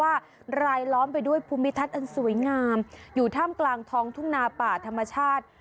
รายล้อมไปด้วยภูมิทัศน์อันสวยงามอยู่ท่ามกลางท้องทุ่งนาป่าธรรมชาติ